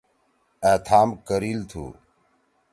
أ تھام کَریِل تُھو۔